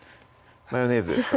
マヨネーズですか